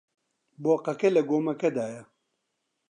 بۆقەکە لە گۆمەکەدایە.